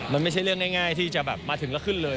มันไม่ใช่เรื่องง่ายที่จะแบบมาถึงแล้วขึ้นเลย